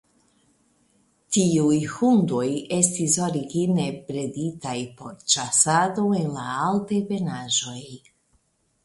Tiuj hundoj estis origine breditaj por ĉasado en la Altebenaĵoj.